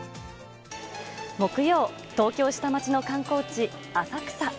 木曜、東京下町の観光地、浅草。